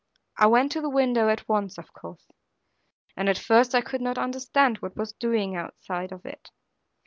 I went to the window at once, of course; and at first I could not understand what was doing outside of it.